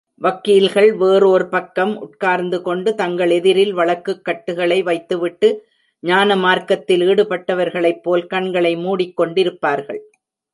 வக்கீல்கள் வேறோர் பக்கம் உட்கார்ந்துகொண்டு தங்கள் எதிரில் வழக்குக் கட்டுகளை வைத்துவிட்டு ஞான மார்க்கத்தில் ஈடுபட்டவர்களைப் போல கண்களை மூடிக்கொண்டிருப்பார்கள்.